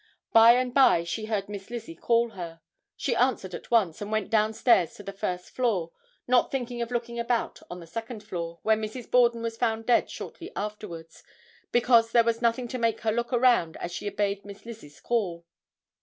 By and by she heard Miss Lizzie call her. She answered at once, and went down stairs to the first floor, not thinking of looking about on the second floor, where Mrs. Borden was found dead shortly afterwards, because there was nothing to make her look around as she obeyed Miss Lizzie's call.